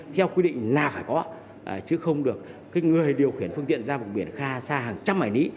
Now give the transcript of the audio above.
theo quy định là phải có chứ không được người điều khiển phương tiện ra vùng biển xa hàng trăm hải lý